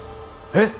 えっ！？